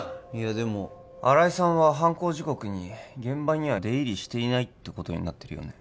でも新井さんは犯行時刻に現場には出入りしていないってことになってるよね？